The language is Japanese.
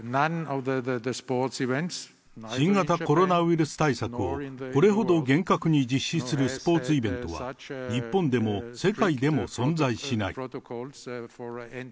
新型コロナウイルス対策をこれほど厳格に実施するスポーツイベントは、日本でも世界でも存在しない。